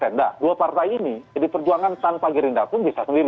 nah dua partai ini jadi perjuangan tanpa gerinda pun bisa sendiri